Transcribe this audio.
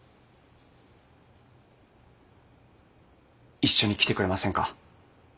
一緒に来てくれませんか？